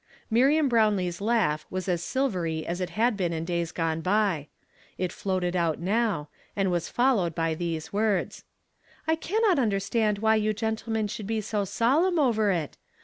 Miriam lirownlee's laugh was as silvery as it had been in days gone by. It floated out n, ^v, and was foHowed hy these words: "I cannot un dei stand why you n ntlemon shoukl be so solemn over it.